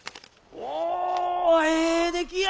おええ出来や！